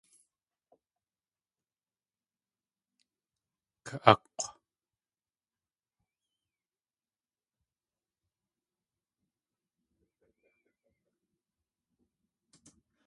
Ka.ák̲w!